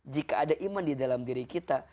jika ada iman di dalam diri kita